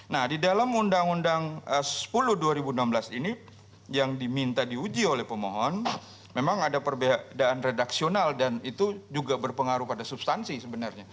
nah di dalam undang undang sepuluh dua ribu enam belas ini yang diminta diuji oleh pemohon memang ada perbedaan redaksional dan itu juga berpengaruh pada substansi sebenarnya